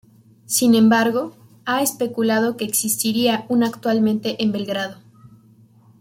Sin embargo, ha especulado que existiría una actualmente en Belgrado.